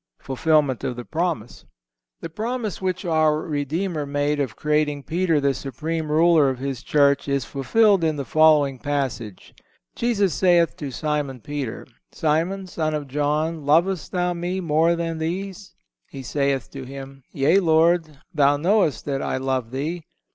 Fulfillment of the Promise. The promise which our Redeemer made of creating Peter the supreme ruler of His Church is fulfilled in the following passage: "Jesus saith to Simon Peter: Simon, son of John, lovest thou Me more than these? He saith to Him: Yea, Lord, Thou knowest that I love Thee.